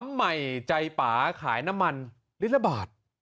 ปั๊มใหม่ใจป๋าขายน้ำมันลิดละบาท